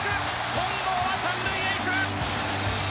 近藤が３塁へ行く。